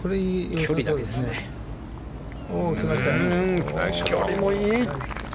距離もいい！